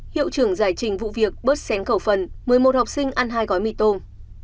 hiệu trưởng giải trình vụ việc bớt xén khẩu phần một mươi một học sinh ăn hai gói mì tôm